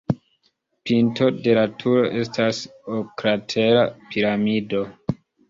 Pinto de la turo estas oklatera piramido.